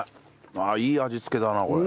ああいい味付けだなこれ。